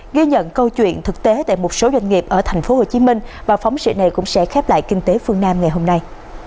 ghi nhận câu chuyện thực tế tại một số doanh nghiệp ở tp hcm và phóng sự này cũng sẽ khép lại kinh tế phương nam ngày hôm nay